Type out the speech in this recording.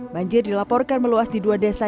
banjir dilaporkan meluas di dua desa